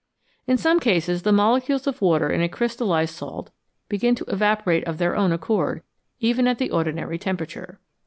In some cases the molecules of water in a crystallised salt begin to evaporate of their own accord even at the ordinary temperature.